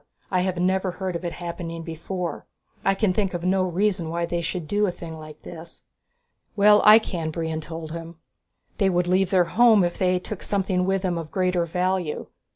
I have never heard of it happening before. I can think of no reason why they should do a thing like this." "Well, I can," Brion told him. "They would leave their home if they took something with them of greater value.